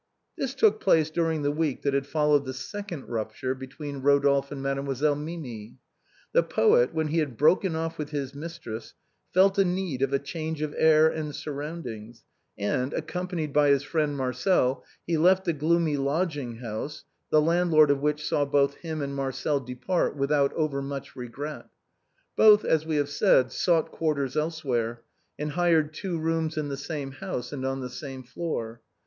This took place during the week that had followed the second rupture between Eodolphe and Mademoiselle Mimi. The poet, when he had broken off with his mistress, felt a need of a change of air and surroundings, and, accompanied by his friend Marcel, he left the gloomy lodging house, the landlord of which saw both him and Marcel depart without overmuch regret. Both, as we have said, sought quarters elsewhere, and hired two rooms in the same house and on the same floor.